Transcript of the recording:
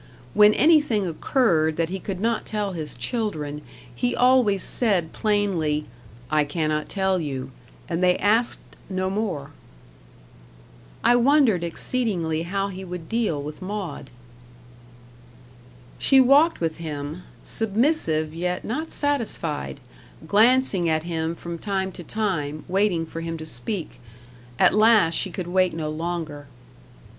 When anything occurred that he could not tell his children, he always said plainly, "I cannot tell you," and they asked no more. I wondered exceedingly how he would deal with Maud. She walked with him, submissive yet not satisfied, glancing at him from time to time, waiting for him to speak. At last she could wait no longer.